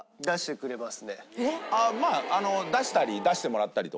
ああまあ出したり出してもらったりとか。